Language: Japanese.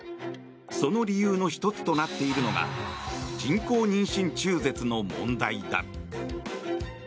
その理由の１つとなっているのが人工妊娠中絶の問題だ。